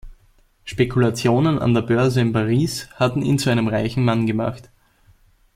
Spekulationen an der Börse in Paris hatten ihn zu einem reichen Mann gemacht.